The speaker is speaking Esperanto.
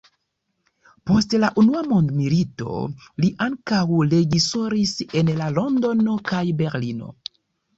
Post la unua mondmilito li ankaŭ reĝisoris en Londono kaj Berlino.